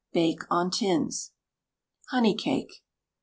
Bake on tins. HONEY CAKE.